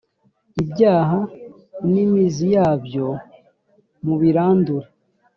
ibyaha nimiziyabyo mubirandure.